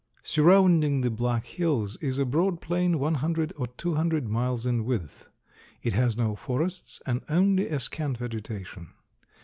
Surrounding the Black Hills is a broad plain one hundred or two hundred miles in width. It has no forests, and only a scant vegetation.